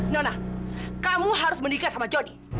nona kamu harus menikah sama jody